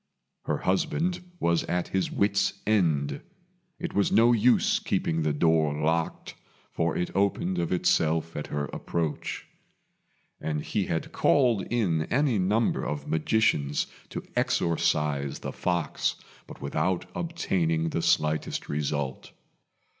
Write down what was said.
Her husband was at his wits' end. It was no use keeping the door locked, for it opened of itself at her approach; and he had called in any number of magicians to exorcise the fox, but without obtaining the slightest result.